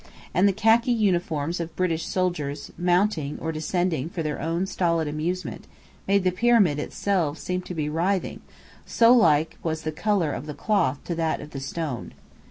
And the khaki uniforms of British soldiers mounting or descending for their own stolid amusement, made the Pyramid itself seem to be writhing, so like was the colour of the cloth to that of the stone.